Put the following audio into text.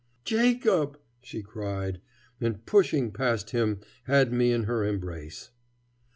"Jacob!" she cried, and, pushing past him, had me in her embrace.